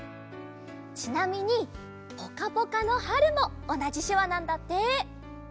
ちなみにぽかぽかのはるもおなじしゅわなんだって。